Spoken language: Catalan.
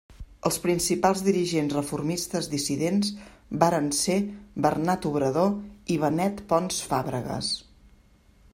Els principals dirigents reformistes dissidents varen esser Bernat Obrador i Benet Pons Fàbregues.